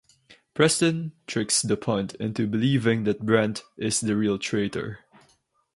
Preston tricks DuPont into believing that Brandt is the real traitor.